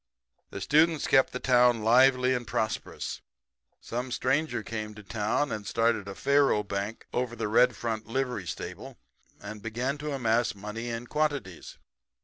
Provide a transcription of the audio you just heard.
"The students kept the town lively and prosperous. Some stranger came to town and started a faro bank over the Red Front livery stable, and began to amass money in quantities.